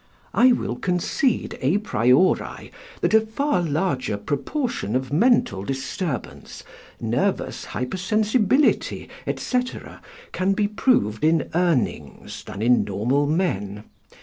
I will concede à priori that a far larger proportion of mental disturbance, nervous hyper sensibility, &c., can be proved in Urnings than in normal men.